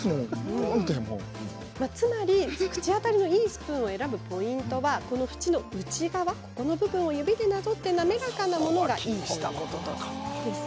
口当たりのいいスプーンを選ぶポイントは縁の内側を指でなぞって滑らかなものがいいそうです。